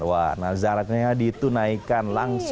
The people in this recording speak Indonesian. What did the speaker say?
wah nazarnya ditunaikan langsung